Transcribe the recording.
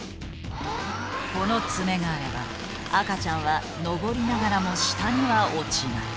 このツメがあれば赤ちゃんは登りながらも下には落ちない。